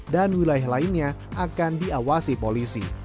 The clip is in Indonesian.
dan wilayah lainnya akan diawasi polisi